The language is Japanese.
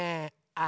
あ！